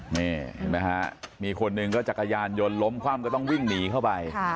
เห็นมั้ยคะมีคนหนึ่งจักรยานยนต์ล้มความต้องวิ่งหนีเข้าไป